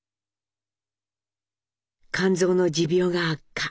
肝臓の持病が悪化。